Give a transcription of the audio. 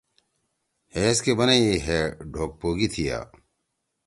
ہے ایس کے بنئی ہے ڈھوگ پوگی تھیا۔